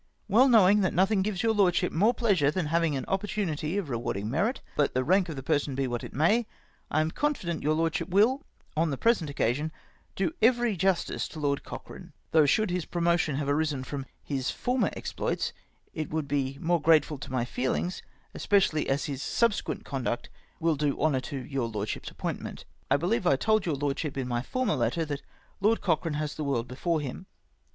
Well knowing that nothing gives your Lordship more pleasure than having an opportunity of rewarding merit, let the rank of the person be what it may, I am confident your Lordship will, on the present occasion, do every justice to Lord Cochrane, though should his promotion have arisen from his former exploits it would be more grateful to my feelings, more especially as his subsequent conduct will do honour to your Lordship's appointment. " I believe I told your Lordship, in my former letter, that Lord Cochrane has the world before him.